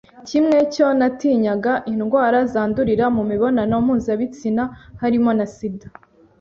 Kimwe cyo natinyaga indwara zandurira mu mibonano mpuzabitsina harimo na Sida,